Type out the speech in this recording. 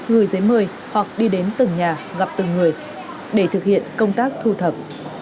gửi giấy mời hoặc đi đến từng nhà gặp từng người để thực hiện công tác thu thập